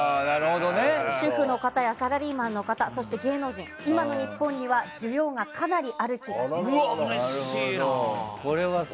主婦の方やサラリーマンの方そして芸能人、今の日本に需要がかなりあると思います。